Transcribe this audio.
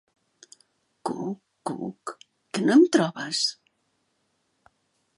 Cuc, cuc, que no em trobes!